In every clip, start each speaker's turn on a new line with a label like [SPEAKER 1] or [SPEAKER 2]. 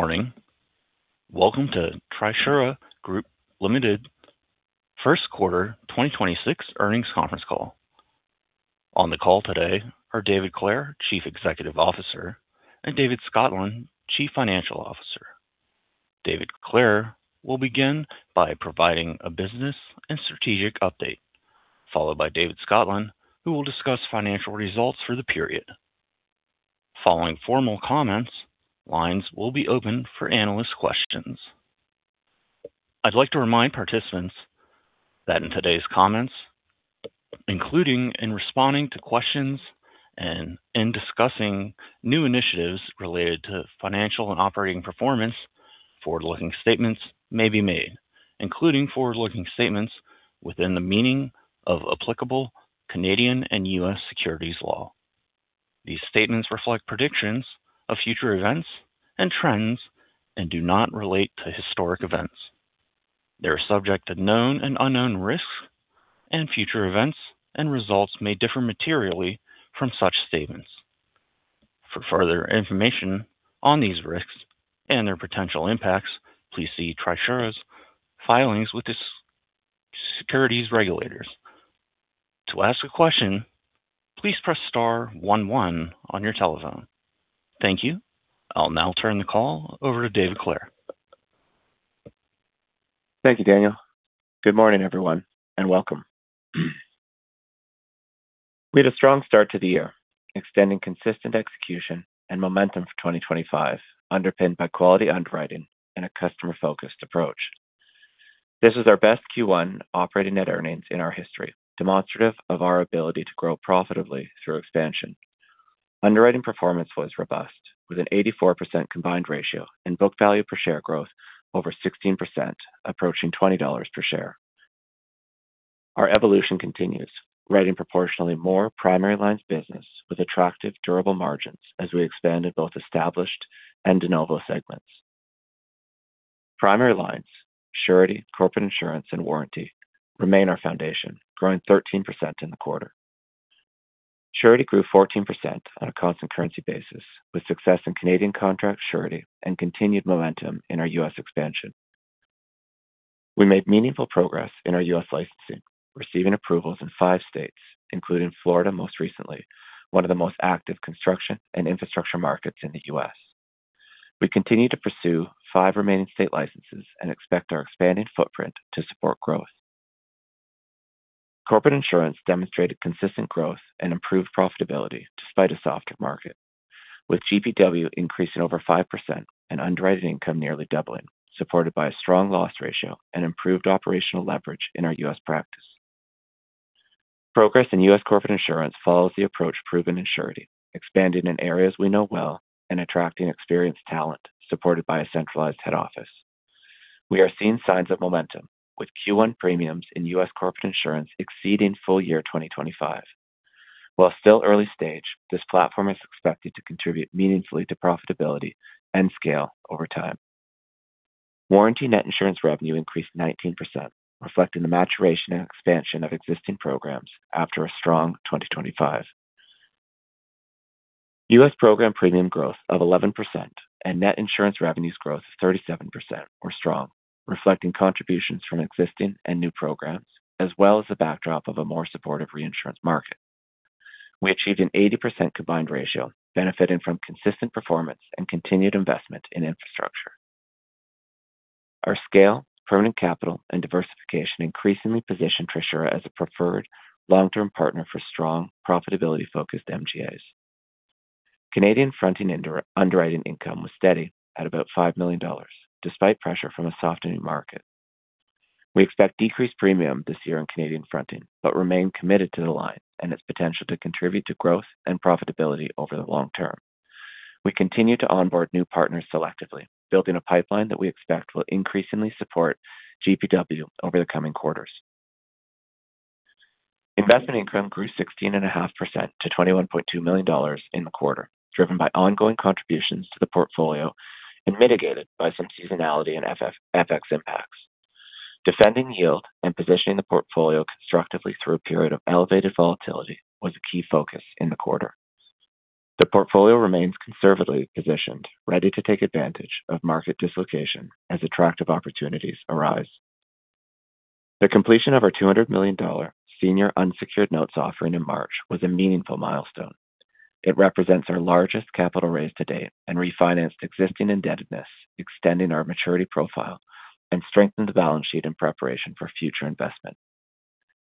[SPEAKER 1] Morning. Welcome to Trisura Group Ltd. first quarter 2026 earnings conference call. On the call today are David Clare, Chief Executive Officer, and David Scotland, Chief Financial Officer. David Clare will begin by providing a business and strategic update, followed by David Scotland, who will discuss financial results for the period. Following formal comments, lines will be open for analyst questions. I'd like to remind participants that in today's comments, including in responding to questions and in discussing new initiatives related to financial and operating performance, forward-looking statements may be made, including forward-looking statements within the meaning of applicable Canadian and U.S. securities law. These statements reflect predictions of future events and trends and do not relate to historic events. They are subject to known and unknown risks, and future events and results may differ materially from such statements. For further information on these risks and their potential impacts, please see Trisura's filings with the securities regulators. To ask a question, please press star one one on your telephone. Thank you. I'll now turn the call over to David Clare.
[SPEAKER 2] Thank you, Daniel. Good morning, everyone, and welcome. We had a strong start to the year, extending consistent execution and momentum for 2025, underpinned by quality underwriting and a customer-focused approach. This was our best Q1 operating net earnings in our history, demonstrative of our ability to grow profitably through expansion. Underwriting performance was robust, with an 84% combined ratio and book value per share growth over 16%, approaching 20 dollars per share. Our evolution continues, writing proportionally more primary lines business with attractive, durable margins as we expand in both established and de novo segments. Primary lines, Surety, Corporate Insurance, and Warranty remain our foundation, growing 13% in the quarter. Surety grew 14% on a constant currency basis, with success in Canadian contract Surety and continued momentum in our U.S. expansion. We made meaningful progress in our U.S. licensing, receiving approvals in five states, including Florida most recently, one of the most active construction and infrastructure markets in the U.S. We continue to pursue five remaining state licenses and expect our expanding footprint to support growth. Corporate Insurance demonstrated consistent growth and improved profitability despite a softer market, with GPW increasing over 5% and underwriting income nearly doubling, supported by a strong loss ratio and improved operational leverage in our U.S. practice. Progress in U.S. Corporate Insurance follows the approach proven in Surety, expanding in areas we know well and attracting experienced talent supported by a centralized head office. We are seeing signs of momentum, with Q1 premiums in U.S. Corporate Insurance exceeding full year 2025. While still early stage, this platform is expected to contribute meaningfully to profitability and scale over time. Warranty net insurance revenue increased 19%, reflecting the maturation and expansion of existing programs after a strong 2025. U.S. program premium growth of 11% and net insurance revenues growth of 37% were strong, reflecting contributions from existing and new programs, as well as the backdrop of a more supportive reinsurance market. We achieved an 80% combined ratio, benefiting from consistent performance and continued investment in infrastructure. Our scale, permanent capital, and diversification increasingly position Trisura as a preferred long-term partner for strong, profitability-focused MGAs. Canadian fronting underwriting income was steady at about 5 million dollars, despite pressure from a softening market. We expect decreased premium this year in Canadian fronting but remain committed to the line and its potential to contribute to growth and profitability over the long term. We continue to onboard new partners selectively, building a pipeline that we expect will increasingly support GPW over the coming quarters. Investment income grew 16.5% to 21.2 million dollars in the quarter, driven by ongoing contributions to the portfolio and mitigated by some seasonality and FX impacts. Defending yield and positioning the portfolio constructively through a period of elevated volatility was a key focus in the quarter. The portfolio remains conservatively positioned, ready to take advantage of market dislocation as attractive opportunities arise. The completion of our 200 million dollar senior unsecured notes offering in March was a meaningful milestone. It represents our largest capital raise to date and refinanced existing indebtedness, extending our maturity profile and strengthened the balance sheet in preparation for future investment.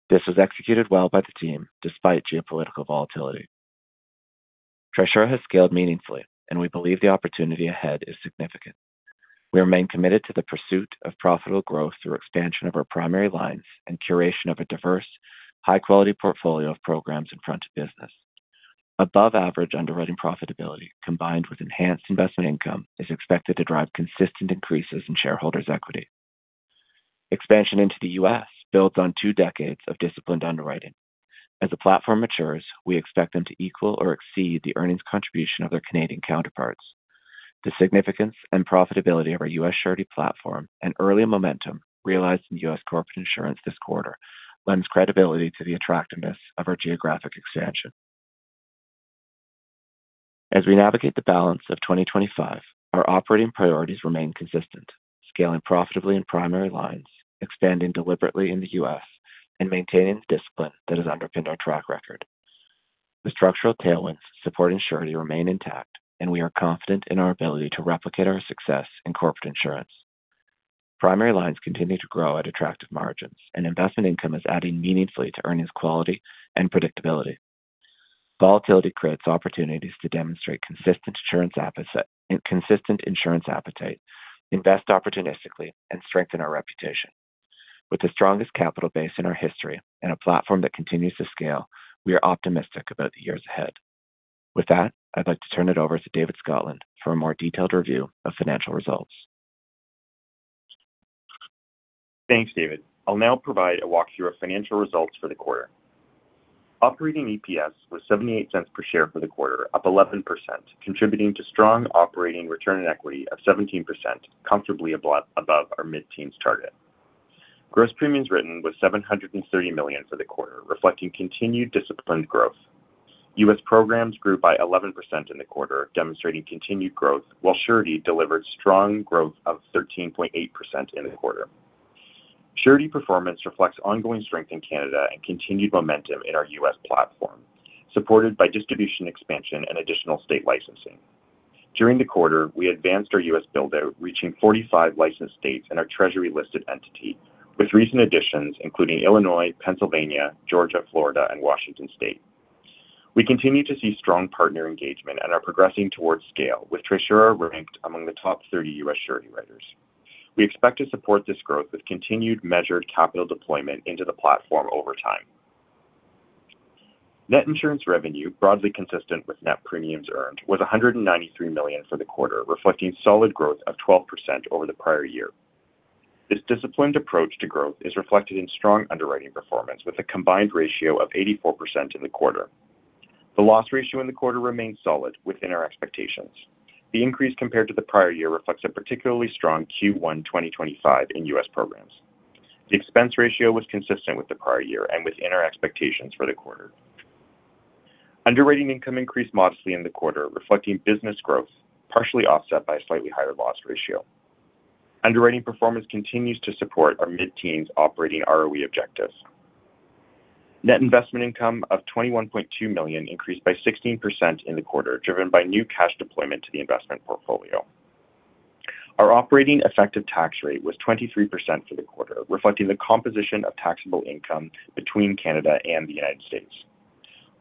[SPEAKER 2] This was executed well by the team despite geopolitical volatility. Trisura has scaled meaningfully, and we believe the opportunity ahead is significant. We remain committed to the pursuit of profitable growth through expansion of our primary lines and curation of a diverse, high-quality portfolio of programs and fronting business. Above average underwriting profitability combined with enhanced investment income is expected to drive consistent increases in shareholders' equity. Expansion into the U.S. builds on two decades of disciplined underwriting. As the platform matures, we expect them to equal or exceed the earnings contribution of their Canadian counterparts. The significance and profitability of our U.S. Surety platform and early momentum realized in U.S. Corporate Insurance this quarter lends credibility to the attractiveness of our geographic expansion. As we navigate the balance of 2025, our operating priorities remain consistent, scaling profitably in primary lines, expanding deliberately in the U.S., and maintaining the discipline that has underpinned our track record. The structural tailwinds supporting Surety remain intact, and we are confident in our ability to replicate our success in Corporate Insurance. Primary lines continue to grow at attractive margins, and investment income is adding meaningfully to earnings quality and predictability. Volatility creates opportunities to demonstrate consistent insurance appetite, invest opportunistically, and strengthen our reputation. With the strongest capital base in our history and a platform that continues to scale, we are optimistic about the years ahead. With that, I'd like to turn it over to David Scotland for a more detailed review of financial results.
[SPEAKER 3] Thanks, David. I'll now provide a walkthrough of financial results for the quarter. Operating EPS was 0.78 per share for the quarter, up 11%, contributing to strong operating return on equity of 17%, comfortably above our mid-teens target. Gross premiums written was 730 million for the quarter, reflecting continued disciplined growth. U.S. programs grew by 11% in the quarter, demonstrating continued growth, while Surety delivered strong growth of 13.8% in the quarter. Surety performance reflects ongoing strength in Canada and continued momentum in our U.S. platform, supported by distribution expansion and additional state licensing. During the quarter, we advanced our U.S. build-out, reaching 45 licensed states in our Treasury-listed entity, with recent additions including Illinois, Pennsylvania, Georgia, Florida, and Washington State. We continue to see strong partner engagement and are progressing towards scale, with Trisura ranked among the top 30 U.S. surety writers. We expect to support this growth with continued measured capital deployment into the platform over time. Net insurance revenue, broadly consistent with net premiums earned, was 193 million for the quarter, reflecting solid growth of 12% over the prior year. This disciplined approach to growth is reflected in strong underwriting performance with a combined ratio of 84% in the quarter. The loss ratio in the quarter remained solid within our expectations. The increase compared to the prior year reflects a particularly strong Q1 2025 in U.S. programs. The expense ratio was consistent with the prior year and within our expectations for the quarter. Underwriting income increased modestly in the quarter, reflecting business growth, partially offset by a slightly higher loss ratio. Underwriting performance continues to support our mid-teens operating ROE objectives. Net investment income of 21.2 million increased by 16% in the quarter, driven by new cash deployment to the investment portfolio. Our operating effective tax rate was 23% for the quarter, reflecting the composition of taxable income between Canada and the U.S.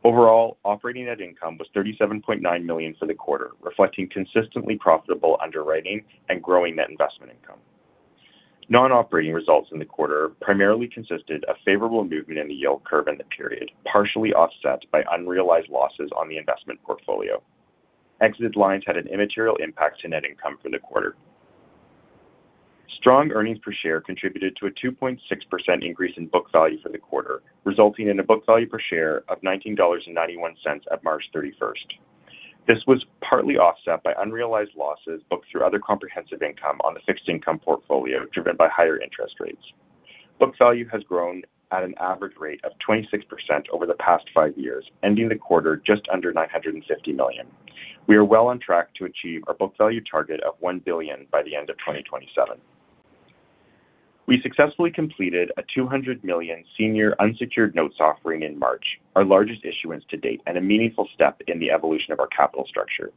[SPEAKER 3] Overall, operating net income was 37.9 million for the quarter, reflecting consistently profitable underwriting and growing net investment income. Non-operating results in the quarter primarily consisted of favorable movement in the yield curve in the period, partially offset by unrealized losses on the investment portfolio. Exited lines had an immaterial impact to net income for the quarter. Strong earnings per share contributed to a 2.6% increase in book value for the quarter, resulting in a book value per share of 19.91 dollars at March 31st. This was partly offset by unrealized losses booked through other comprehensive income on the fixed income portfolio, driven by higher interest rates. Book value has grown at an average rate of 26% over the past five years, ending the quarter just under 950 million. We are well on track to achieve our book value target of 1 billion by the end of 2027. We successfully completed a 200 million senior unsecured notes offering in March, our largest issuance to date and a meaningful step in the evolution of our capital structure.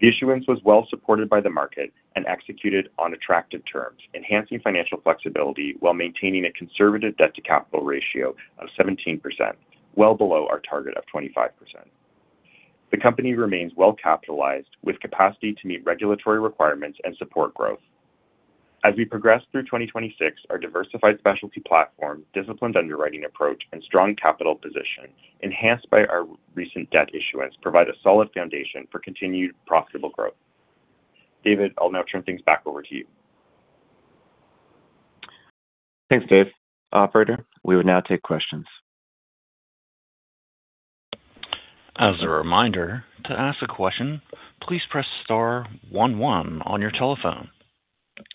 [SPEAKER 3] The issuance was well supported by the market and executed on attractive terms, enhancing financial flexibility while maintaining a conservative debt-to-capital ratio of 17%, well below our target of 25%. The company remains well capitalized with capacity to meet regulatory requirements and support growth. As we progress through 2026, our diversified specialty platform, disciplined underwriting approach, and strong capital position, enhanced by our recent debt issuance, provide a solid foundation for continued profitable growth. David, I'll now turn things back over to you.
[SPEAKER 2] Thanks, Dave. Operator, we will now take questions.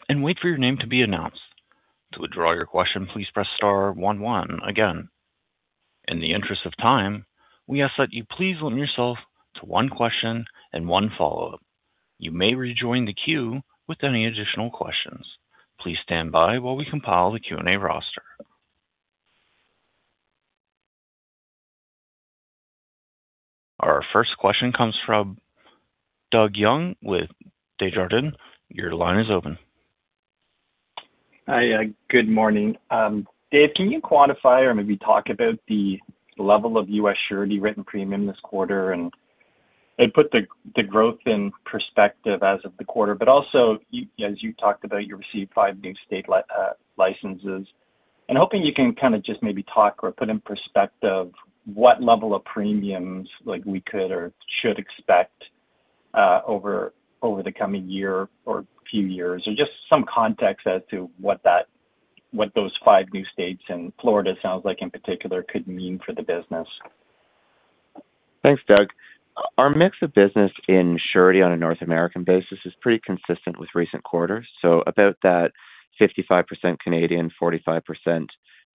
[SPEAKER 1] Our first question comes from Doug Young with Desjardins. Your line is open.
[SPEAKER 4] Hi, good morning. Dave, can you quantify or maybe talk about the level of U.S. Surety written premium this quarter and put the growth in perspective as of the quarter, as you talked about, you received five new state licenses. Hoping you can kind of just maybe talk or put in perspective what level of premiums like we could or should expect over the coming year or few years, or just some context as to what that, what those five new states and Florida sounds like in particular could mean for the business.
[SPEAKER 2] Thanks, Doug. Our mix of business in Surety on a North American basis is pretty consistent with recent quarters. About that 55% Canadian, 45%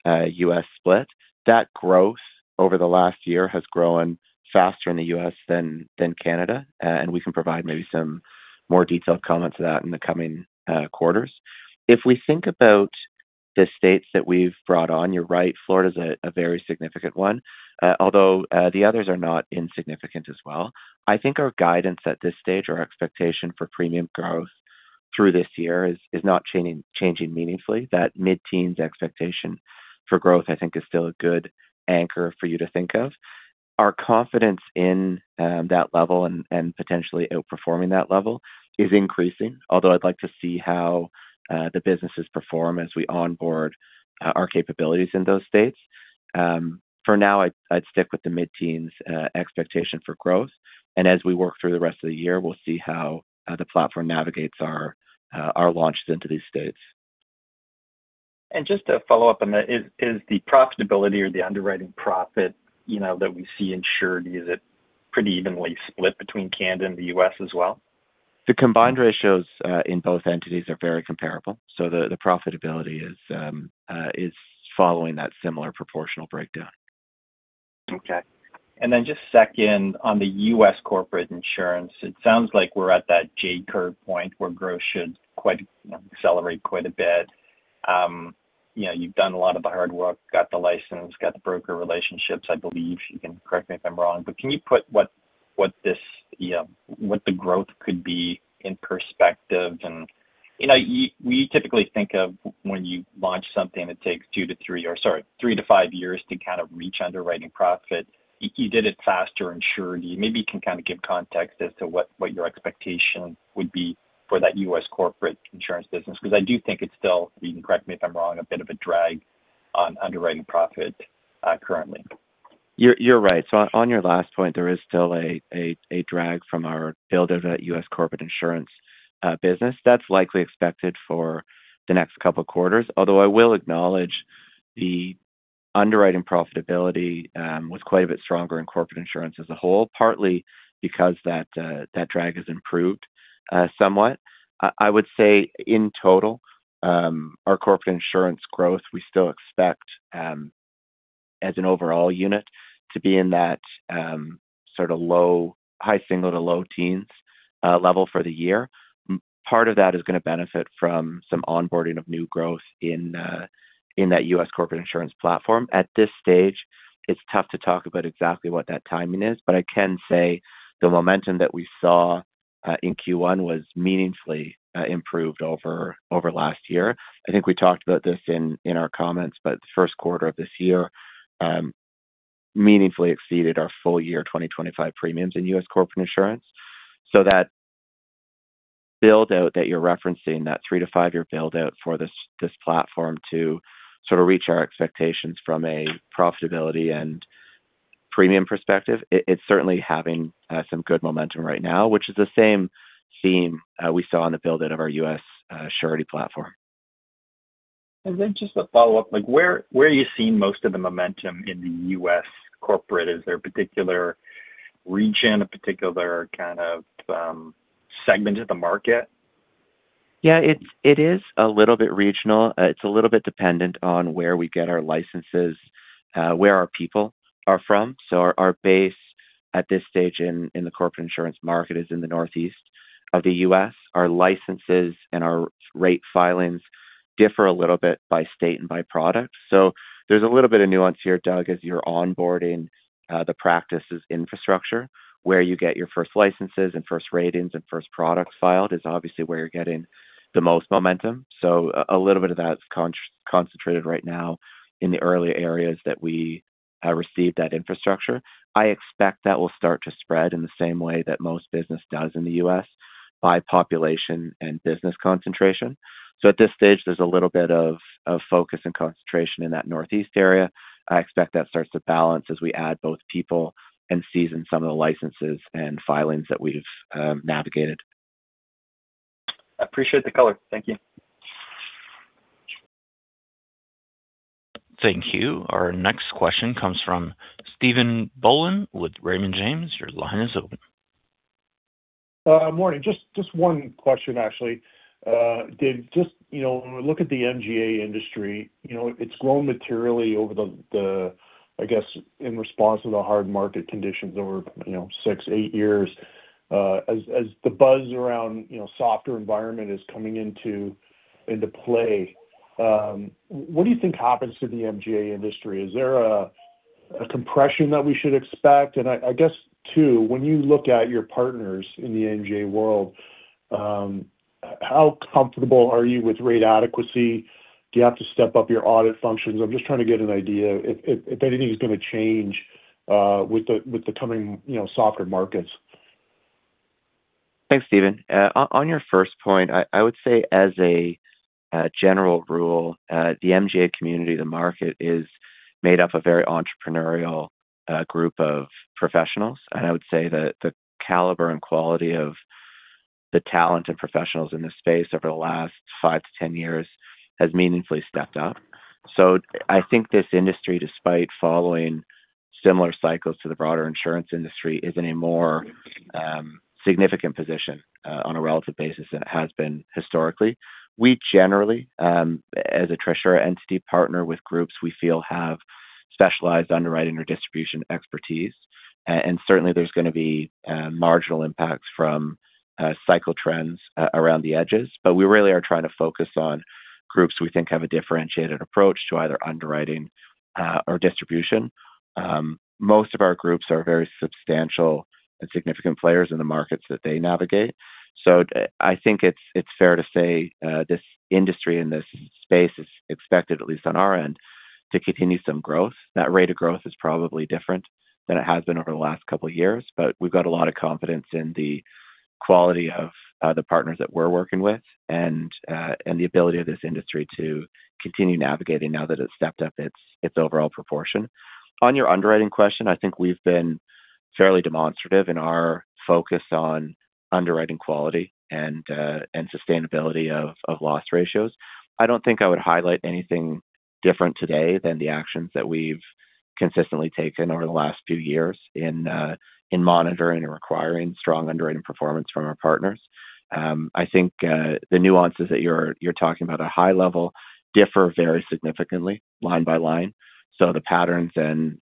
[SPEAKER 2] U.S. split. That growth over the last year has grown faster in the U.S. than Canada. We can provide maybe some more detailed comments to that in the coming quarters. If we think about the states that we've brought on, you're right, Florida's a very significant one. Although, the others are not insignificant as well. I think our guidance at this stage or our expectation for premium growth through this year is not changing meaningfully. That mid-teens expectation for growth, I think is still a good anchor for you to think of. Our confidence in that level and potentially outperforming that level is increasing. Although I'd like to see how the businesses perform as we onboard our capabilities in those states. For now, I'd stick with the mid-teens expectation for growth, and as we work through the rest of the year, we'll see how the platform navigates our launches into these states.
[SPEAKER 4] Just to follow up on that, is the profitability or the underwriting profit, you know, that we see in Surety, is it pretty evenly split between Canada and the U.S. as well?
[SPEAKER 2] The combined ratios in both entities are very comparable. The profitability is following that similar proportional breakdown.
[SPEAKER 4] Okay. Just second, on the U.S. Corporate Insurance, it sounds like we're at that J-curve point where growth should quite, you know, accelerate quite a bit. You know, you've done a lot of the hard work, got the license, got the broker relationships, I believe. You can correct me if I'm wrong, can you put what this, you know, what the growth could be in perspective? You know, we typically think of when you launch something, it takes two-three or sorry, three-five years to kind of reach underwriting profit. You did it faster in Surety. Maybe you can kind of give context as to what your expectation would be for that U.S. Corporate Insurance business, because I do think it's still, you can correct me if I'm wrong, a bit of a drag on underwriting profit currently.
[SPEAKER 2] You're right. On your last point, there is still a drag from our build of that U.S. Corporate Insurance business. That's likely expected for the next couple quarters. Although I will acknowledge the underwriting profitability was quite a bit stronger in Corporate Insurance as a whole, partly because that drag has improved somewhat. I would say in total, our Corporate Insurance growth, we still expect as an overall unit to be in that sort of high single to low teens level for the year. Part of that is gonna benefit from some onboarding of new growth in that U.S. Corporate Insurance platform. At this stage, it's tough to talk about exactly what that timing is, but I can say the momentum that we saw in Q1 was meaningfully improved over last year. I think we talked about this in our comments, but the first quarter of this year meaningfully exceeded our full year 2025 premiums in U.S. Corporate Insurance. That build-out that you're referencing, that three-five year build-out for this platform to sort of reach our expectations from a profitability and premium perspective, it's certainly having some good momentum right now, which is the same theme we saw on the build-out of our U.S. Surety platform.
[SPEAKER 4] Just a follow-up, like where are you seeing most of the momentum in the U.S. corporate? Is there a particular region, a particular kind of segment of the market?
[SPEAKER 2] It is a little bit regional. It is a little bit dependent on where we get our licenses, where our people are from. Our base at this stage in the Corporate Insurance market is in the Northeast of the U.S. Our licenses and our rate filings differ a little bit by state and by product. There's a little bit of nuance here, Doug, as you're onboarding the practices infrastructure, where you get your first licenses and first ratings and first products filed is obviously where you're getting the most momentum. A little bit of that's concentrated right now in the early areas that we received that infrastructure. I expect that will start to spread in the same way that most business does in the U.S. by population and business concentration. At this stage, there's a little bit of focus and concentration in that Northeast area. I expect that starts to balance as we add both people and season some of the licenses and filings that we've navigated.
[SPEAKER 4] Appreciate the color. Thank you.
[SPEAKER 1] Thank you. Our next question comes from Stephen Boland with Raymond James. Your line is open.
[SPEAKER 5] Morning. Just one question actually. Dave, just, you know, when we look at the MGA industry, you know, it's grown materially over the, I guess, in response to the hard market conditions over, you know, six, eight years. As the buzz around, you know, softer environment is coming into play, what do you think happens to the MGA industry? Is there a compression that we should expect? I guess, two, when you look at your partners in the MGA world, how comfortable are you with rate adequacy? Do you have to step up your audit functions? I'm just trying to get an idea if anything is gonna change with the coming, you know, softer markets.
[SPEAKER 2] Thanks, Stephen. On your first point, I would say as a general rule, the MGA community, the market is made up of very entrepreneurial group of professionals. I would say that the caliber and quality of the talent and professionals in this space over the last five to 10 years has meaningfully stepped up. I think this industry, despite following similar cycles to the broader insurance industry, is in a more significant position on a relative basis than it has been historically. We generally, as a Trisura entity partner with groups we feel have specialized underwriting or distribution expertise. Certainly there's gonna be marginal impacts from cycle trends around the edges. We really are trying to focus on groups we think have a differentiated approach to either underwriting or distribution. Most of our groups are very substantial and significant players in the markets that they navigate. I think it's fair to say, this industry and this space is expected, at least on our end, to continue some growth. That rate of growth is probably different than it has been over the last couple years, but we've got a lot of confidence in the quality of the partners that we're working with and the ability of this industry to continue navigating now that it's stepped up its overall proportion. On your underwriting question, I think we've been fairly demonstrative in our focus on underwriting quality and sustainability of loss ratios. I don't think I would highlight anything different today than the actions that we've consistently taken over the last few years in monitoring and requiring strong underwriting performance from our partners. I think the nuances that you're talking about at high level differ very significantly line by line. The patterns and,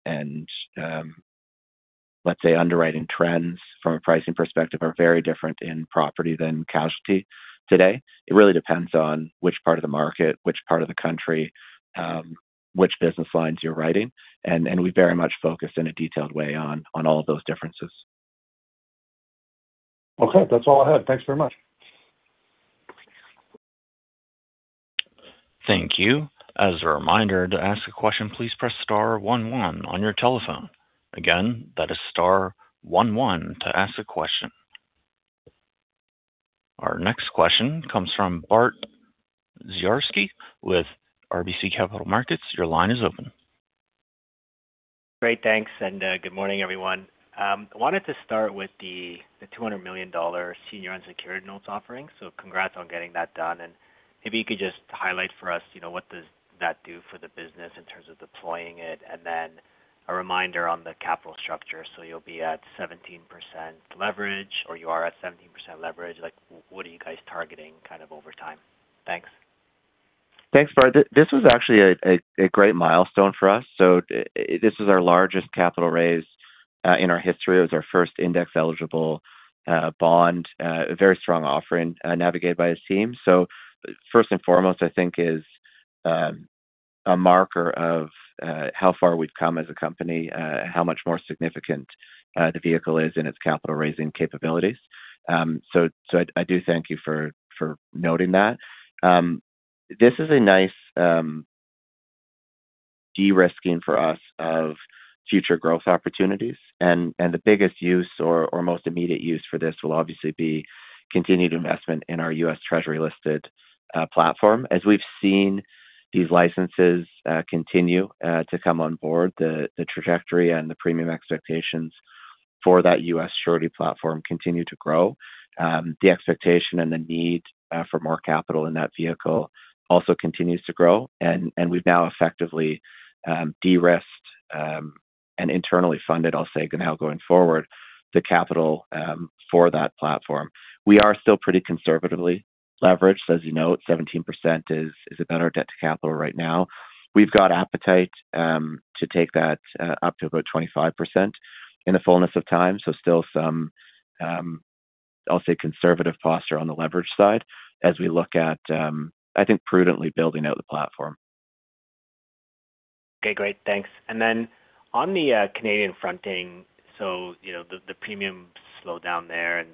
[SPEAKER 2] let's say underwriting trends from a pricing perspective are very different in property than casualty today. It really depends on which part of the market, which part of the country, which business lines you're writing, and we very much focus in a detailed way on all of those differences.
[SPEAKER 5] Okay. That's all I had. Thanks very much.
[SPEAKER 1] Thank you. As a reminder, to ask a question, please press star one one on your telephone. Again, that is star one one to ask a question. Our next question comes from Bart Dziarski with RBC Capital Markets. Your line is open.
[SPEAKER 6] Great. Thanks. Good morning, everyone. I wanted to start with the 200 million dollar senior unsecured notes offering. Congrats on getting that done. Maybe you could just highlight for us, you know, what does that do for the business in terms of deploying it, and then a reminder on the capital structure. You'll be at 17% leverage, or you are at 17% leverage. Like what are you guys targeting kind of over time? Thanks.
[SPEAKER 2] Thanks, Bart. This was actually a great milestone for us. This is our largest capital raise in our history. It was our first index-eligible bond, a very strong offering, navigated by his team. First and foremost, I think is a marker of how far we've come as a company, how much more significant the vehicle is in its capital-raising capabilities. I do thank you for noting that. This is a nice de-risking for us of future growth opportunities. The biggest use or most immediate use for this will obviously be continued investment in our U.S. Treasury-listed platform. As we've seen these licenses continue to come on board, the trajectory and the premium expectations for that U.S. Surety platform continue to grow. The expectation and the need for more capital in that vehicle also continues to grow. We've now effectively de-risked and internally funded, I'll say, going forward, the capital for that platform. We are still pretty conservatively leveraged. As you note, 17% is about our debt to capital right now. We've got appetite to take that up to about 25% in the fullness of time. Still some, I'll say, conservative posture on the leverage side as we look at, I think prudently building out the platform.
[SPEAKER 6] Okay. Great. Thanks. Then on the Canadian fronting, you know, the premium slowed down there.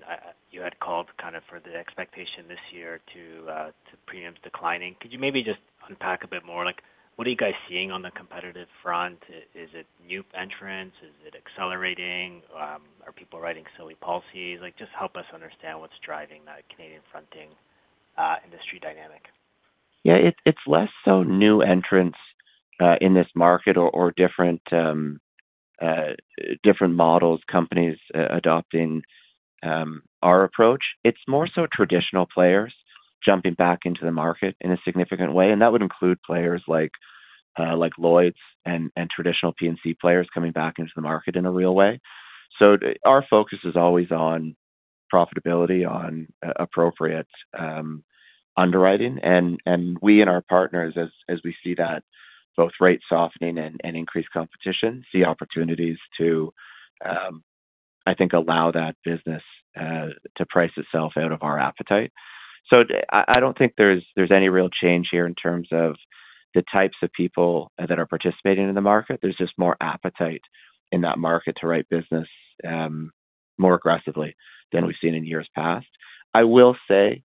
[SPEAKER 6] You had called kind of for the expectation this year to premiums declining. Could you maybe just unpack a bit more? Like, what are you guys seeing on the competitive front? Is it new entrants? Is it accelerating? Are people writing silly policies? Like, just help us understand what's driving that Canadian fronting industry dynamic.
[SPEAKER 2] Yeah. It's less so new entrants in this market or different models, companies adopting our approach. It's more so traditional players jumping back into the market in a significant way, and that would include players like Lloyd's and traditional P&C players coming back into the market in a real way. Our focus is always on profitability, on appropriate underwriting. We and our partners, as we see that both rate softening and increased competition, see opportunities to I think allow that business to price itself out of our appetite. I don't think there's any real change here in terms of the types of people that are participating in the market. There's just more appetite in that market to write business more aggressively than we've seen in years past. I will say,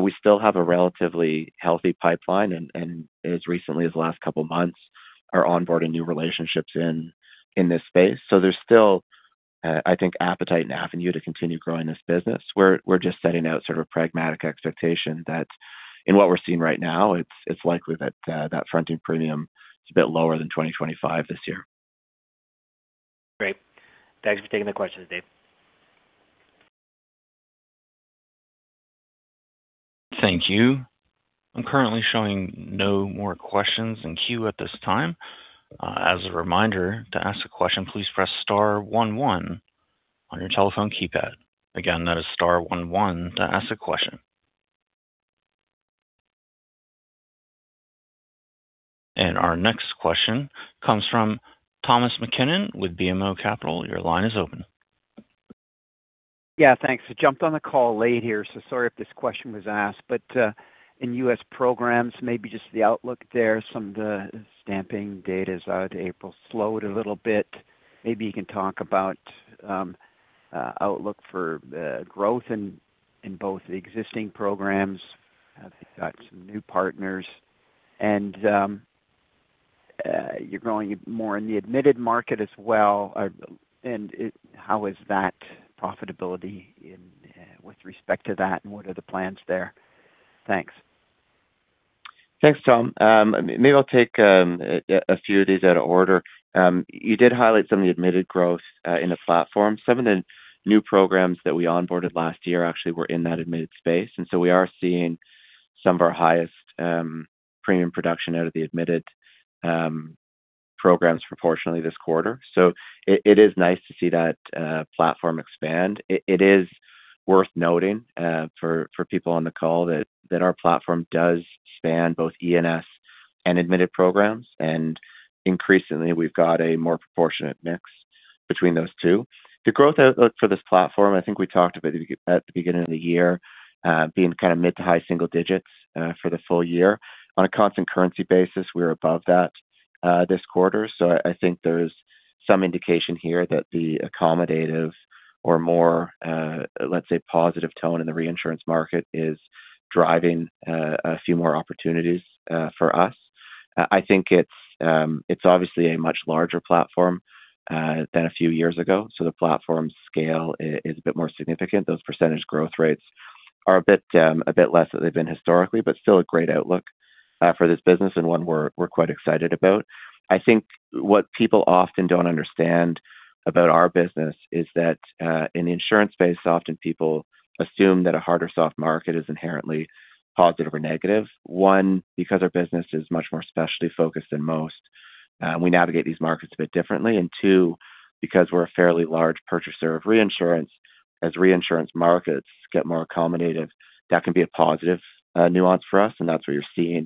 [SPEAKER 2] we still have a relatively healthy pipeline and, as recently as the last couple months are onboarding new relationships in this space. There's still, I think, appetite and avenue to continue growing this business. We're just setting out sort of a pragmatic expectation that in what we're seeing right now, it's likely that fronting premium is a bit lower than 2025 this year.
[SPEAKER 6] Great. Thanks for taking the questions, Dave.
[SPEAKER 1] Thank you. I'm currently showing no more questions in queue at this time. As a reminder, to ask a question, please press star one one on your telephone keypad. Again, that is star one one to ask a question. Our next question comes from Thomas MacKinnon with BMO Capital. Your line is open.
[SPEAKER 7] Thanks. I jumped on the call late here, so sorry if this question was asked. In U.S. programs, maybe just the outlook there, some of the stamping data is out. April slowed a little bit. Maybe you can talk about outlook for growth in both the existing programs. I think you've got some new partners and you're growing more in the admitted market as well. And how is that profitability with respect to that, and what are the plans there? Thanks.
[SPEAKER 2] Thanks, Tom. Maybe I'll take a few of these out of order. You did highlight some of the admitted growth in the platform. Some of the new programs that we onboarded last year actually were in that admitted space, we are seeing some of our highest premium production out of the admitted programs proportionally this quarter. It is nice to see that platform expand. It is worth noting for people on the call that our platform does span both E&S and admitted programs. Increasingly, we've got a more proportionate mix between those two. The growth outlook for this platform, I think we talked about it at the beginning of the year, being kind of mid to high single digits for the full year. On a constant currency basis, we were above that this quarter. I think there's some indication here that the accommodative or more, let's say positive tone in the reinsurance market is driving a few more opportunities for us. I think it's obviously a much larger platform than a few years ago, the platform scale is a bit more significant. Those percentage growth rates are a bit, a bit less than they've been historically, but still a great outlook for this business and one we're quite excited about. I think what people often don't understand about our business is that in the insurance space, often people assume that a hard or soft market is inherently positive or negative. One, because our business is much more specialty focused than most, we navigate these markets a bit differently. Two, because we're a fairly large purchaser of reinsurance, as reinsurance markets get more accommodative, that can be a positive nuance for us, and that's what you're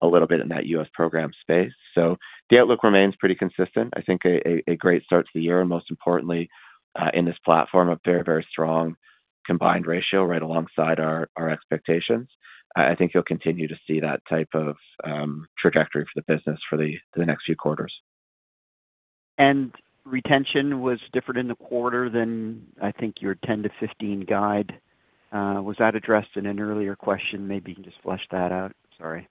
[SPEAKER 2] seeing a little bit in that U.S. program space. The outlook remains pretty consistent. I think a great start to the year, and most importantly, in this platform, a very strong combined ratio right alongside our expectations. I think you'll continue to see that type of trajectory for the business for the next few quarters.
[SPEAKER 7] Retention was different in the quarter than I think your 10-15 guide. Was that addressed in an earlier question? Maybe you can just flesh that out. Sorry.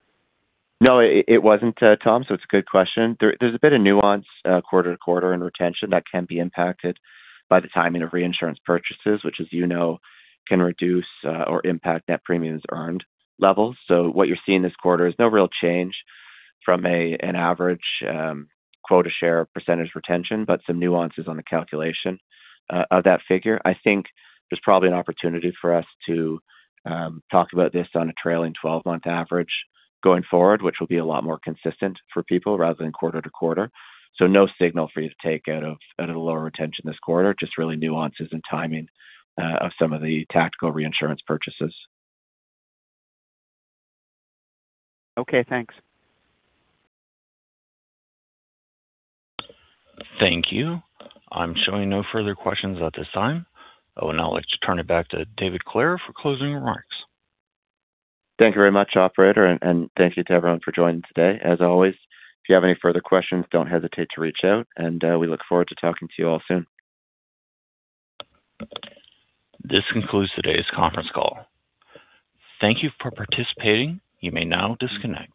[SPEAKER 2] No, it wasn't, Tom, so it's a good question. There's a bit of nuance, quarter-to-quarter, in retention that can be impacted by the timing of reinsurance purchases, which as you know, can reduce or impact net premiums earned levels. What you're seeing this quarter is no real change from an average quota share percentage retention, but some nuances on the calculation of that figure. I think there's probably an opportunity for us to talk about this on a trailing 12-month average going forward, which will be a lot more consistent for people rather than quarter-to-quarter. No signal for you to take out of the lower retention this quarter, just really nuances and timing of some of the tactical reinsurance purchases.
[SPEAKER 7] Okay, thanks.
[SPEAKER 1] Thank you. I'm showing no further questions at this time. I would now like to turn it back to David Clare for closing remarks.
[SPEAKER 2] Thank you very much, operator, and thank you to everyone for joining today. As always, if you have any further questions, don't hesitate to reach out, and we look forward to talking to you all soon.
[SPEAKER 1] This concludes today's conference call. Thank you for participating. You may now disconnect.